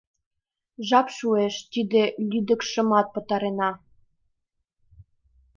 — Жап шуэш — тиде лӱдыкшымат пытарена.